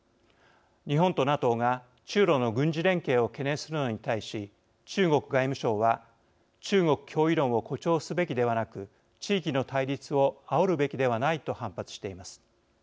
日本とＮＡＴＯが中ロの軍事連携を懸念するのに対し中国外務省は中国脅威論を誇張すべきではなく地域の対立をあおるべきではないと反発しています。